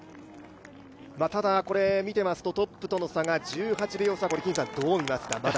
ただ、トップとの差が１８秒差、どう見ますか？